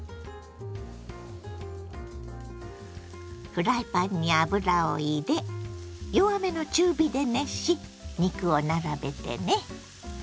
フライパンに油を入れ弱めの中火で熱し肉を並べてね。